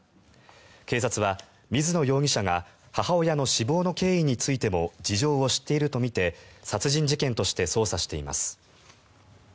警察は、水野容疑者が母親の死亡の経緯についても事情を知っているとみて殺人事件として捜査しています。